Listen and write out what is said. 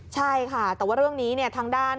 ใช่ค่ะแต่ว่าเรื่องนี้ทางด้าน